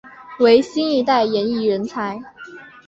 为新一代演艺人才。